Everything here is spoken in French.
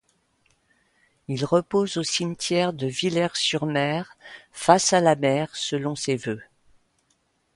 Il repose au cimetière de Villers-sur-Mer, face à la mer, selon ses vœux.